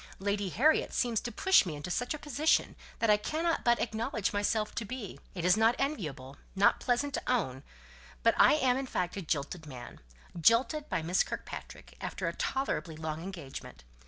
Lady Harriet seems determined to push me into such a position that I cannot but acknowledge myself to be it is not enviable not pleasant to own but I am, in fact, a jilted man; jilted by Miss Kirkpatrick, after a tolerably long engagement.